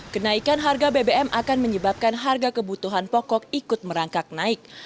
kenaikan harga bbm akan menyebabkan harga kebutuhan pokok ikut merangkak naik